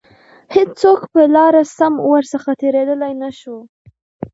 هیڅوک پر لاره سم ورڅخه تیریدلای نه شو.